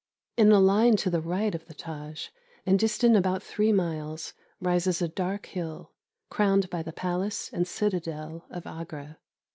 In a line to the right of the Tâj, and distant about three miles, rises a dark hill, crowned by the Palace and Citadel of Agra.